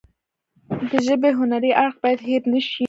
د ژبې هنري اړخ باید هیر نشي.